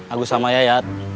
agus sama yayat